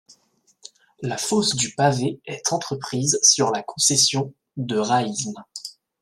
La fosse du Pavé est entreprise sur la concession de Raismes.